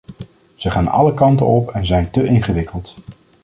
Ze gaan alle kanten op en zijn te ingewikkeld.